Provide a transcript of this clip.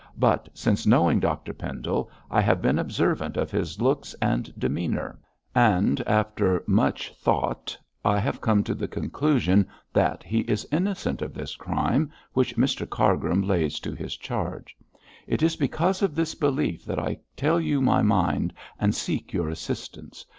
But since knowing Dr Pendle I have been observant of his looks and demeanour, and after much thought I have come to the conclusion that he is innocent of this crime which Mr Cargrim lays to his charge. It is because of this belief that I tell you my mind and seek your assistance.